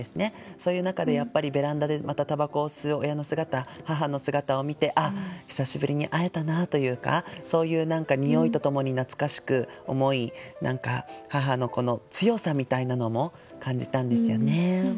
そういう中でやっぱりベランダでまた煙草を吸う親の姿母の姿を見て「ああ久しぶりに会えたな」というかそういうにおいとともに懐かしく思い母の強さみたいなのも感じたんですよね。